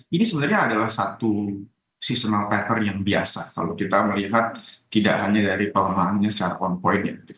ini sebenarnya adalah satu seasonal patter yang biasa kalau kita melihat tidak hanya dari pelemahannya secara kompoint ya